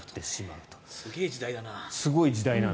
すごい時代だな。